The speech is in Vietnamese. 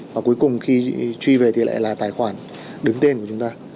và cuối cùng khi truy về thì lại là tài khoản đứng tên của chúng ta